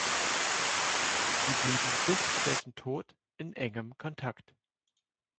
Sie blieben bis zu dessen Tod in engem Kontakt.